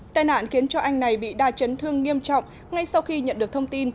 tai nạn khiến cho anh này bị đa chấn thương nghiêm trọng ngay sau khi nhận được thông tin